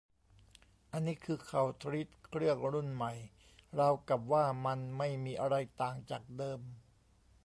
อันนี้คือเขาทรีตเครื่องรุ่นใหม่ราวกับว่ามันไม่มีอะไรต่างจากเดิม